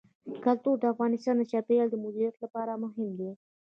کلتور د افغانستان د چاپیریال د مدیریت لپاره مهم دي.